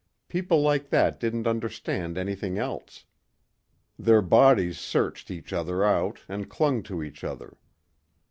People like that didn't understand anything else. Their bodies searched each other out and clung to each other.